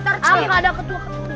aku nggak ada ketua